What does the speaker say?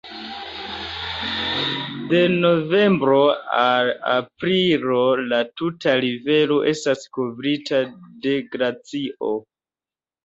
De novembro al aprilo la tuta rivero estas kovrita de glacio.